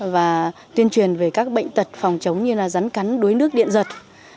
và tuyên truyền về các bệnh tật phòng chống như là rắn cắn đuối nước điện giật